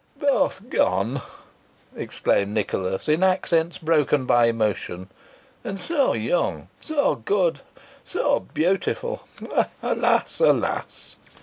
"Both gone!" exclaimed Nicholas, in accents broken by emotion; "and so young so good so beautiful! Alas! alas!"